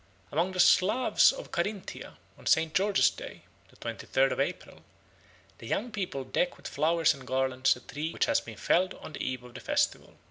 Amongst the Slavs of Carinthia, on St. George's Day (the twentythird of April), the young people deck with flowers and garlands a tree which has been felled on the eve of the festival.